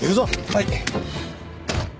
はい！